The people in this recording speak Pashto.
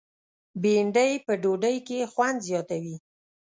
بېنډۍ په ډوډۍ کې خوند زیاتوي